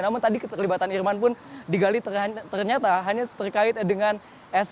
namun tadi keterlibatan irman pun digali ternyata hanya terkait dengan sk